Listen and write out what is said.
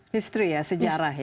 history ya sejarah ya